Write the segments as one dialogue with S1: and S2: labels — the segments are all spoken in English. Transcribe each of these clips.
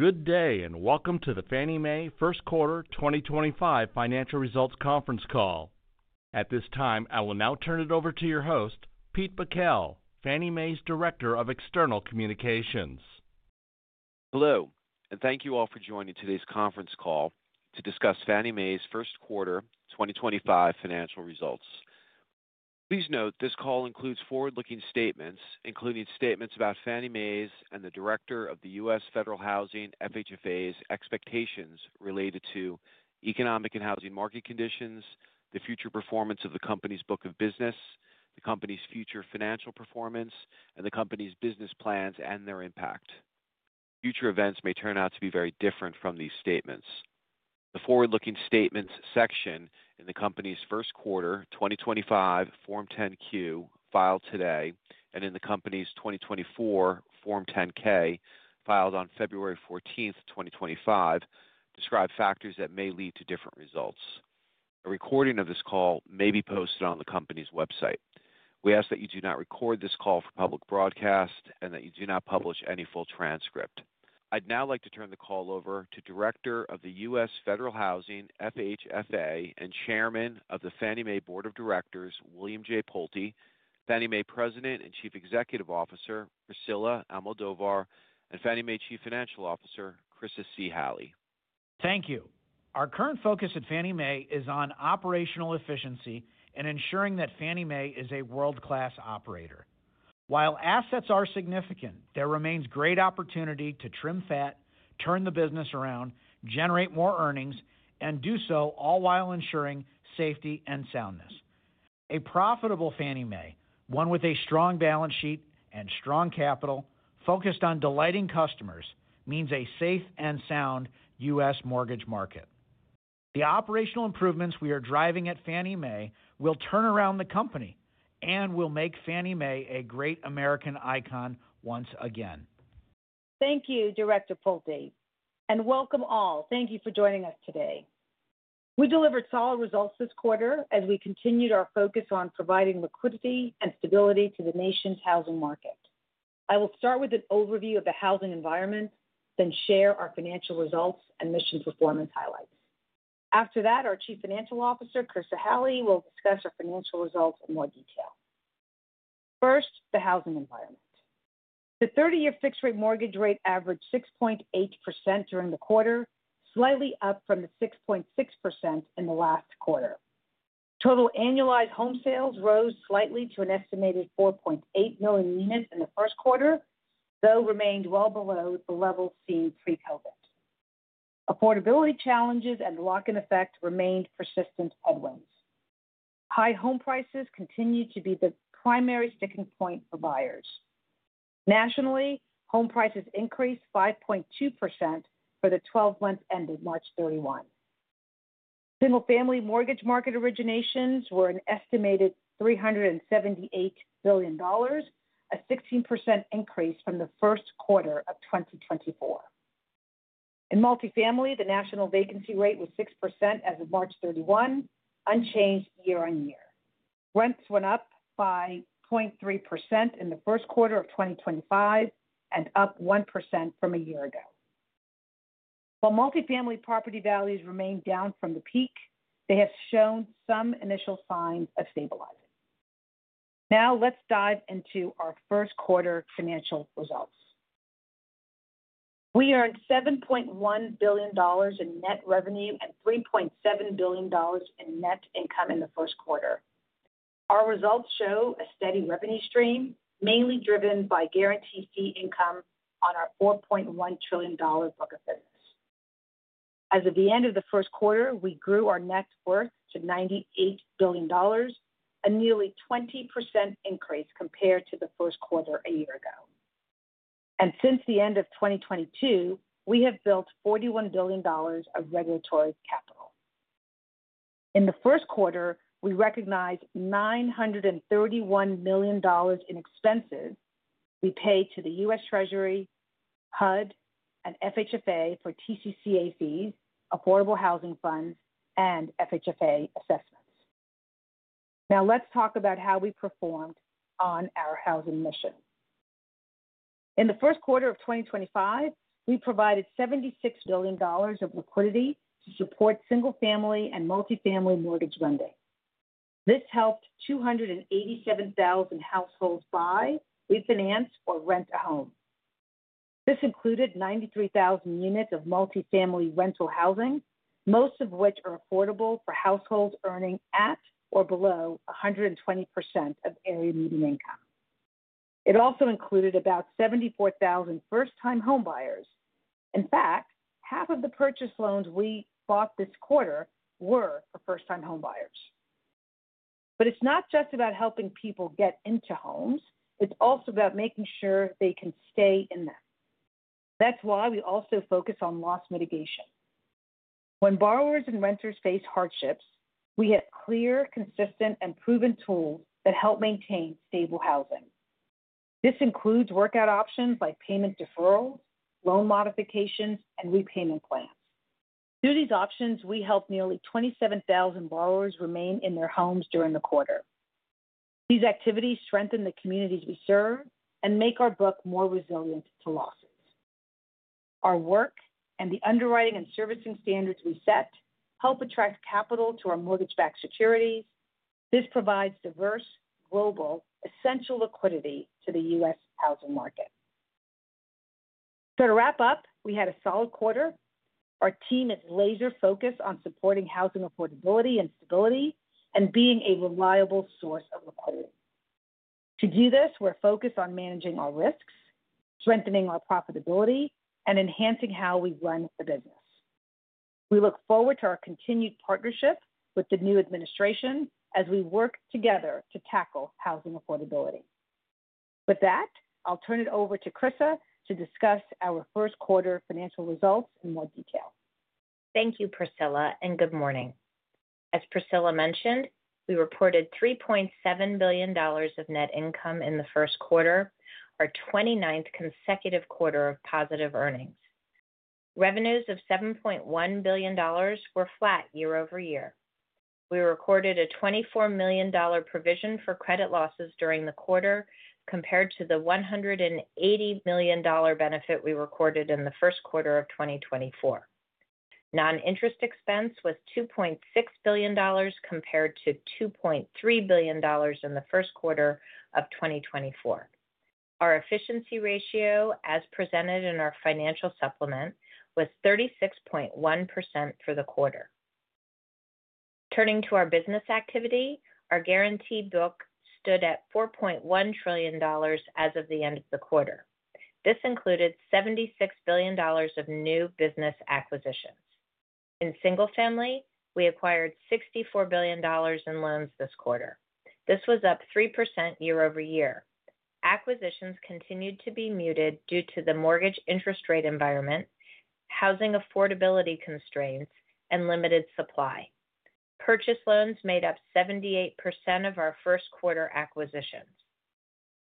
S1: Good day and welcome to the Fannie Mae first quarter 2025 Financial Results Conference Call. At this time, I will now turn it over to your host, Peter Bakel, Fannie Mae's Director of External Communications.
S2: Hello, and thank you all for joining today's conference call to discuss Fannie Mae's first quarter 2025 financial results. Please note this call includes forward-looking statements, including statements about Fannie Mae's and the Director of the U.S. Federal Housing Finance Agency's expectations related to economic and housing market conditions, the future performance of the company's book of business, the company's future financial performance, and the company's business plans and their impact. Future events may turn out to be very different from these statements. The forward-looking statements section in the company's first quarter 2025 Form 10-Q filed today and in the company's 2024 Form 10-K filed on February 14, 2025, describe factors that may lead to different results. A recording of this call may be posted on the company's website. We ask that you do not record this call for public broadcast and that you do not publish any full transcript. I'd now like to turn the call over to Director of the U.S. Federal Housing Finance Agency and Chairman of the Fannie Mae Board of Directors, William J. Pulte, Fannie Mae President and Chief Executive Officer, Priscilla Almodovar, and Fannie Mae Chief Financial Officer, Chryssa C. Halley.
S3: Thank you. Our current focus at Fannie Mae is on operational efficiency and ensuring that Fannie Mae is a world-class operator. While assets are significant, there remains great opportunity to trim fat, turn the business around, generate more earnings, and do so all while ensuring safety and soundness. A profitable Fannie Mae, one with a strong balance sheet and strong capital, focused on delighting customers, means a safe and sound U.S. mortgage market. The operational improvements we are driving at Fannie Mae will turn around the company and will make Fannie Mae a great American icon once again.
S4: Thank you, Director Pulte, and welcome all. Thank you for joining us today. We delivered solid results this quarter as we continued our focus on providing liquidity and stability to the nation's housing market. I will start with an overview of the housing environment, then share our financial results and mission performance highlights. After that, our Chief Financial Officer, Chryssa Halley, will discuss our financial results in more detail. First, the housing environment. The 30-year fixed-rate mortgage rate averaged 6.8% during the quarter, slightly up from the 6.6% in the last quarter. Total annualized home sales rose slightly to an estimated 4.8 million units in the first quarter, though remained well below the level seen pre-COVID. Affordability challenges and the lock-in effect remained persistent headwinds. High home prices continued to be the primary sticking point for buyers. Nationally, home prices increased 5.2% for the 12 months ending March 31. Single-family mortgage market originations were an estimated $378 billion, a 16% increase from the first quarter of 2024. In multifamily, the national vacancy rate was 6% as of March 31, unchanged year on year. Rents went up by 0.3% in the first quarter of 2025 and up 1% from a year ago. While multifamily property values remain down from the peak, they have shown some initial signs of stabilizing. Now let's dive into our first quarter financial results. We earned $7.1 billion in net revenue and $3.7 billion in net income in the first quarter. Our results show a steady revenue stream, mainly driven by guaranteed fee income on our $4.1 trillion book of business. As of the end of the first quarter, we grew our net worth to $98 billion, a nearly 20% increase compared to the first quarter a year ago. Since the end of 2022, we have built $41 billion of regulatory capital. In the first quarter, we recognized $931 million in expenses we paid to the U.S. Treasury, HUD, and FHFA for TCCA fees, affordable housing funds, and FHFA assessments. Now let's talk about how we performed on our housing mission. In the first quarter of 2025, we provided $76 billion of liquidity to support single-family and multifamily mortgage lending. This helped 287,000 households buy or finance or rent a home. This included 93,000 units of multifamily rental housing, most of which are affordable for households earning at or below 120% of area median income. It also included about 74,000 first-time home buyers. In fact, half of the purchase loans we bought this quarter were for first-time home buyers. It is not just about helping people get into homes. It's also about making sure they can stay in them. That's why we also focus on loss mitigation. When borrowers and renters face hardships, we have clear, consistent, and proven tools that help maintain stable housing. This includes workout options like payment deferrals, loan modifications, and repayment plans. Through these options, we help nearly 27,000 borrowers remain in their homes during the quarter. These activities strengthen the communities we serve and make our book more resilient to losses. Our work and the underwriting and servicing standards we set help attract capital to our mortgage-backed securities. This provides diverse, global, essential liquidity to the U.S. housing market. To wrap up, we had a solid quarter. Our team is laser-focused on supporting housing affordability and stability and being a reliable source of liquidity. To do this, we're focused on managing our risks, strengthening our profitability, and enhancing how we run the business. We look forward to our continued partnership with the new administration as we work together to tackle housing affordability. With that, I'll turn it over to Chryssa to discuss our first quarter financial results in more detail.
S5: Thank you, Priscilla, and good morning. As Priscilla mentioned, we reported $3.7 billion of net income in the first quarter, our 29th consecutive quarter of positive earnings. Revenues of $7.1 billion were flat year over year. We recorded a $24 million provision for credit losses during the quarter compared to the $180 million benefit we recorded in the first quarter of 2024. Non-interest expense was $2.6 billion compared to $2.3 billion in the first quarter of 2024. Our efficiency ratio, as presented in our financial supplement, was 36.1% for the quarter. Turning to our business activity, our guaranteed book stood at $4.1 trillion as of the end of the quarter. This included $76 billion of new business acquisitions. In single-family, we acquired $64 billion in loans this quarter. This was up 3% year over year. Acquisitions continued to be muted due to the mortgage interest rate environment, housing affordability constraints, and limited supply. Purchase loans made up 78% of our first quarter acquisitions.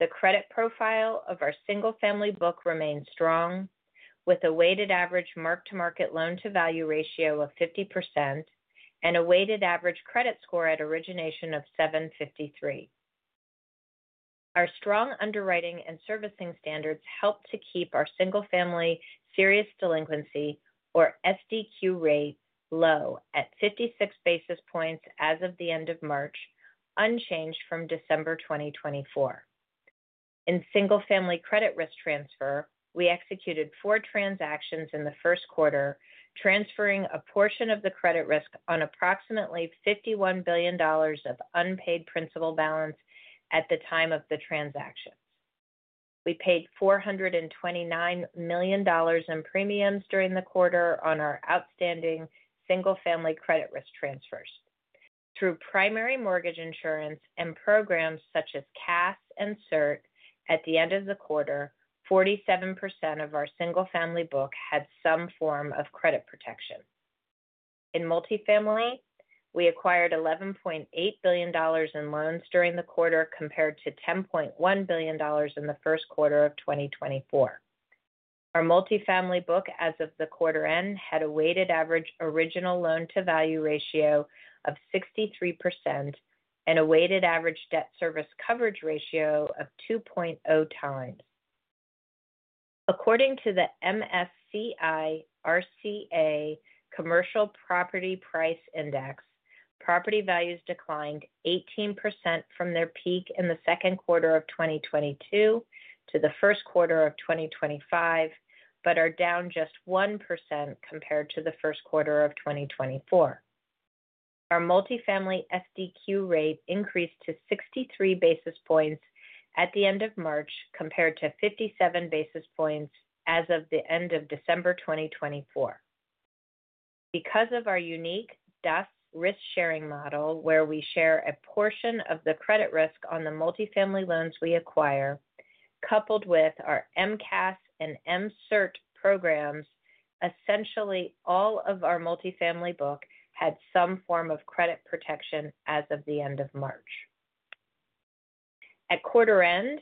S5: The credit profile of our single-family book remained strong, with a weighted average mark-to-market loan-to-value ratio of 50% and a weighted average credit score at origination of 753. Our strong underwriting and servicing standards helped to keep our single-family serious delinquency, or SDQ rate, low at 56 basis points as of the end of March, unchanged from December 2024. In single-family credit risk transfer, we executed four transactions in the first quarter, transferring a portion of the credit risk on approximately $51 billion of unpaid principal balance at the time of the transactions. We paid $429 million in premiums during the quarter on our outstanding single-family credit risk transfers. Through primary mortgage insurance and programs such as CAS and CIRT, at the end of the quarter, 47% of our single-family book had some form of credit protection. In multifamily, we acquired $11.8 billion in loans during the quarter compared to $10.1 billion in the first quarter of 2024. Our multifamily book as of the quarter end had a weighted average original loan-to-value ratio of 63% and a weighted average debt service coverage ratio of 2.0 times. According to the MSCI RCA Commercial Property Price Index, property values declined 18% from their peak in the second quarter of 2022 to the first quarter of 2025, but are down just 1% compared to the first quarter of 2024. Our multifamily SDQ rate increased to 63 basis points at the end of March compared to 57 basis points as of the end of December 2024. Because of our unique DUS risk-sharing model, where we share a portion of the credit risk on the multifamily loans we acquire, coupled with our MCAS and MCIRT programs, essentially all of our multifamily book had some form of credit protection as of the end of March. At quarter end,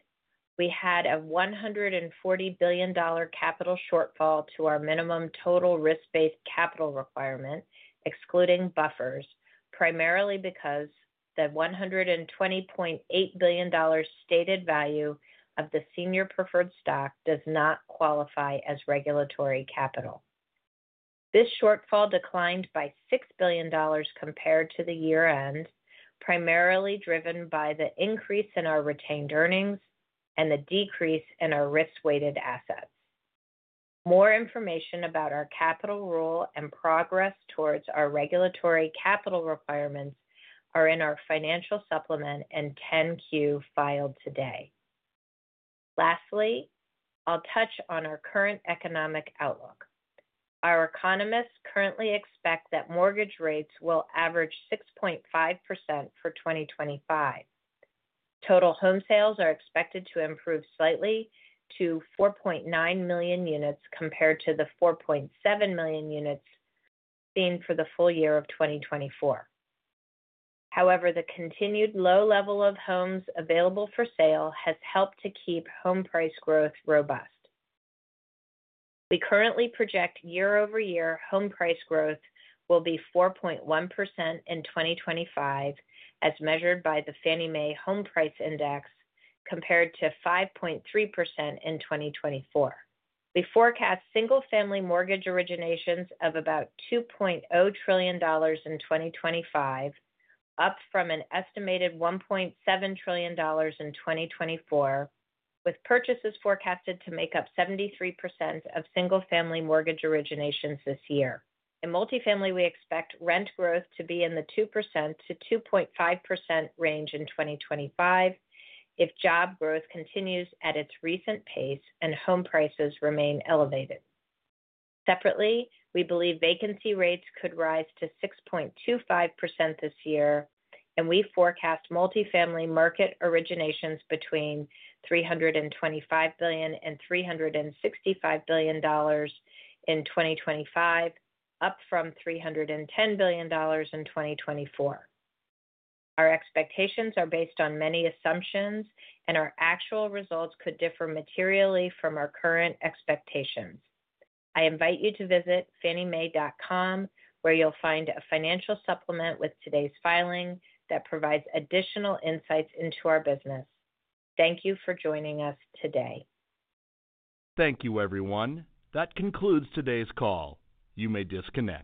S5: we had a $140 billion capital shortfall to our minimum total risk-based capital requirement, excluding buffers, primarily because the $120.8 billion stated value of the senior preferred stock does not qualify as regulatory capital. This shortfall declined by $6 billion compared to the year end, primarily driven by the increase in our retained earnings and the decrease in our risk-weighted assets. More information about our capital rule and progress towards our regulatory capital requirements are in our financial supplement and 10Q filed today. Lastly, I'll touch on our current economic outlook. Our economists currently expect that mortgage rates will average 6.5% for 2025. Total home sales are expected to improve slightly to 4.9 million units compared to the 4.7 million units seen for the full year of 2024. However, the continued low level of homes available for sale has helped to keep home price growth robust. We currently project year-over-year home price growth will be 4.1% in 2025, as measured by the Fannie Mae Home Price Index, compared to 5.3% in 2024. We forecast single-family mortgage originations of about $2.0 trillion in 2025, up from an estimated $1.7 trillion in 2024, with purchases forecasted to make up 73% of single-family mortgage originations this year. In multifamily, we expect rent growth to be in the 2%-2.5% range in 2025 if job growth continues at its recent pace and home prices remain elevated. Separately, we believe vacancy rates could rise to 6.25% this year, and we forecast multifamily market originations between $325 billion and $365 billion in 2025, up from $310 billion in 2024. Our expectations are based on many assumptions, and our actual results could differ materially from our current expectations. I invite you to visit fanniemae.com, where you'll find a financial supplement with today's filing that provides additional insights into our business. Thank you for joining us today.
S1: Thank you, everyone. That concludes today's call. You may disconnect.